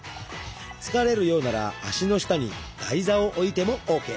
疲れるようなら足の下に台座を置いてもＯＫ。